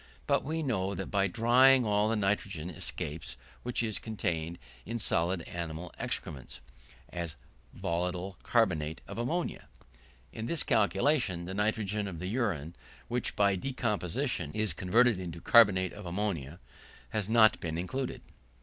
But we know that by drying all the nitrogen escapes which is contained in solid animal excrements, as volatile carbonate of ammonia. In this calculation the nitrogen of the urine, which by decomposition is converted into carbonate of ammonia, has not been included.